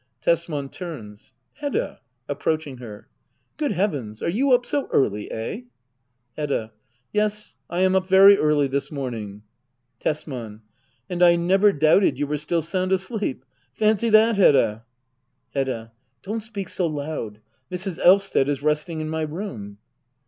Tesman. [Turns.] Hedda! [Approaching her.] Good heavens — are you up so early ? Eh ? Hedda. Yes^ I am up very early this morning. Tesman. And I never doubted you were still sound asleep ! Fancy that, Hedda ! Hedda. Don't speak so loud. Mrs. Elvsted is resting in my room.